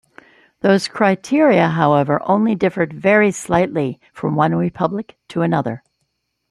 Those criteria, however, only differed very slightly from one republic to another.